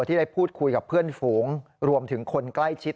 ที่ได้พูดคุยกับเพื่อนฝูงรวมถึงคนใกล้ชิด